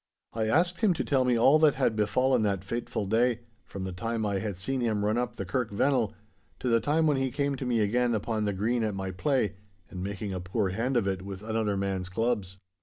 I asked him to tell me all that had befallen that fateful day, from the time I had seen him run up the Kirk Vennel, to the time when he came to me again upon the green at my play, and making a poor hand of it with another man's clubs.